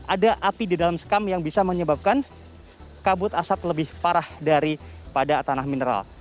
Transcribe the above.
ada api di dalam sekam yang bisa menyebabkan kabut asap lebih parah daripada tanah mineral